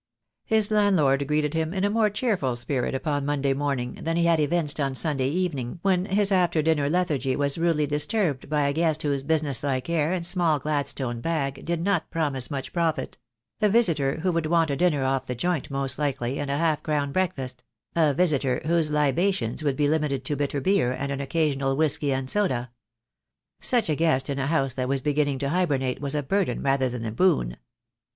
His landlord greeted him in a more cheerful spirit upon Monday morning than he had evinced on Sunday evening when his after dinner lethargy was rudely dis turbed by a guest whose business like air and small Glad stone bag did not promise much profit; a visitor who would want a dinner off the joint, most likely, and a half crown breakfast; a visitor whose libations would be limited to bitter beer and an occasional whisky and soda. Such a guest in a house that was beginning to hibernate was a burden rather than a boon.